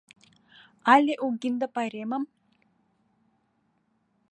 Але угинде пайремым.